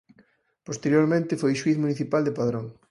Posteriormente foi xuíz municipal de Padrón.